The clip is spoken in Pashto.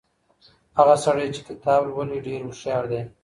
هغه سړی چي کتاب لولي ډېر هوښیار دی.